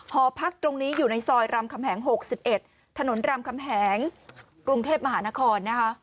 หอพักตรงนี้อยู่ในซอยรำคำแหง๖๑ถนนรามคำแหงกรุงเทพมหานครนะคะ